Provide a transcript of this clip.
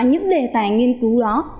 những đề tài nghiên cứu đó